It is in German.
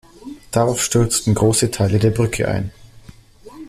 Darauf stürzten große Teile der Brücke ein.